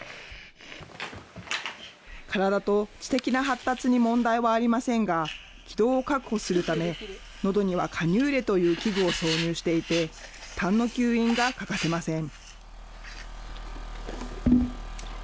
体と知的な発達に問題はありませんが、気道を確保するため、のどにはカニューレという器具を挿入していて、たんの吸引が欠かせません。